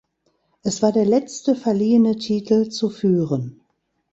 Es war der letzte verliehene Titel zu führen.